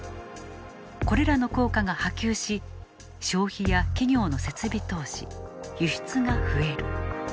これらの効果が波及し消費や企業の設備投資輸出が増える。